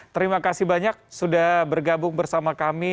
terima kasih banyak sudah bergabung bersama kami